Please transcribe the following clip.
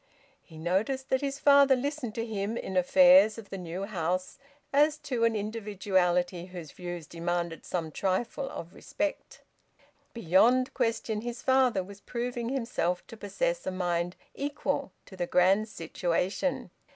He noticed that his father listened to him, in affairs of the new house, as to an individuality whose views demanded some trifle of respect. Beyond question his father was proving himself to possess a mind equal to the grand situation.